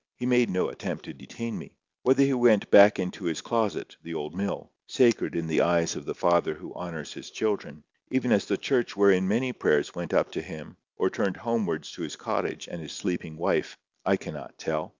He made no attempt to detain me. Whether he went back into his closet, the old mill, sacred in the eyes of the Father who honours His children, even as the church wherein many prayers went up to Him, or turned homewards to his cottage and his sleeping wife, I cannot tell.